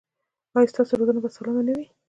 ایا ستاسو روزنه به سالمه نه وي؟